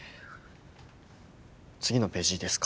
次のページいいですか？